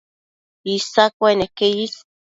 Isa cueneque is